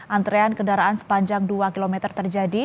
antrean kendaraan sepanjang dua km terjadi